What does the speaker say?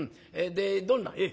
でどんな？」。